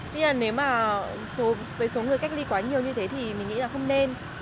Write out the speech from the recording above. nhưng mà với số người cách ly quá nhiều như thế thì mình nghĩ là không nên